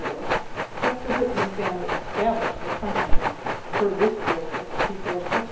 524) gets the Whitman family establish'd at Huntington, per this Joseph, before 1664.